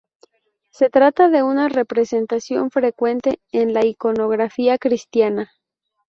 Se trata de una representación frecuente en la iconografía cristiana.